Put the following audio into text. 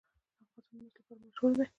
افغانستان د مس لپاره مشهور دی.